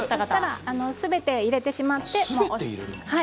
すべて入れてしまって。